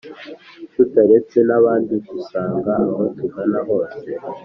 tutaretse n’abandi dusanga aho tugana hose,